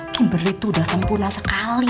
kimberly tuh udah sempurna sekali